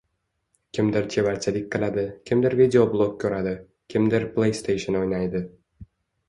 Kimdir chevarchilik qiladi, kimdir videoblog koʻradi, kimdir pleysteyshn oʻynaydi.